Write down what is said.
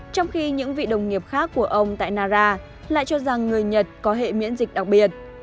trong khi những vị đồng nghiệp khác của ông tại nara lại cho rằng người nhật có hệ miễn dịch đặc biệt